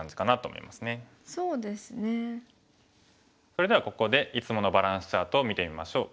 それではここでいつものバランスチャートを見てみましょう。